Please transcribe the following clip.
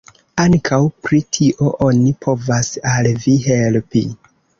Ankaŭ pri tio oni povas al vi helpi.